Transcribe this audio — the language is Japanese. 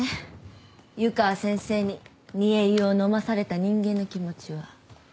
湯川先生に煮え湯を飲まされた人間の気持ちは。